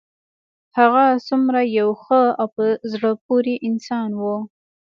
هغه څومره یو ښه او په زړه پورې انسان و